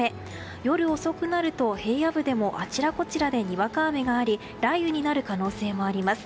夜遅くなると平野部でもあちらこちらでにわか雨があり雷雨になる可能性もあります。